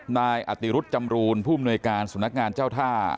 นายอติรุธจำรูนผู้อำนวยการสำนักงานเจ้าท่า